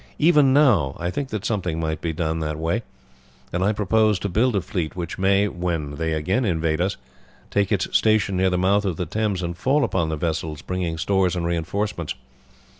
Even now, I think that something might be done that way, and I purpose to build a fleet which may, when they again invade us, take its station near the mouth of the Thames and fall upon the vessels bringing stores and reinforcements.